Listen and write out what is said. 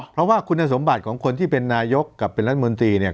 เพราะว่าคุณสมบัติของคนที่เป็นนายกกับเป็นรัฐมนตรีเนี่ย